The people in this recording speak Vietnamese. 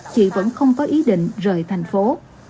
chị vẫn không có ý định rời thành phố